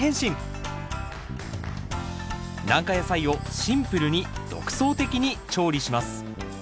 軟化野菜をシンプルに独創的に調理します。